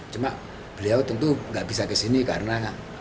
cuma beliau tentu nggak bisa ke sini karena